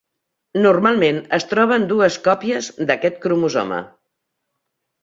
Normalment es troben dues còpies d'aquest cromosoma.